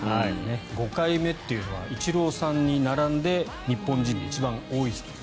５回目というのはイチローさんに並んで日本人で一番多いそうです。